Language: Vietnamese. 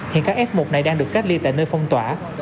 hiện các f một này đang được cách ly tại nơi phong tỏa